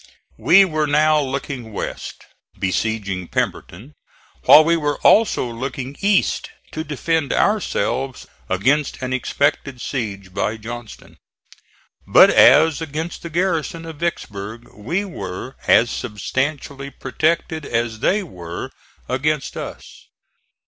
We were now looking west, besieging Pemberton, while we were also looking east to defend ourselves against an expected siege by Johnston. But as against the garrison of Vicksburg we were as substantially protected as they were against us.